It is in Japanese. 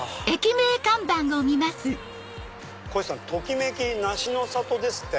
こひさん「ときめき梨の里」って。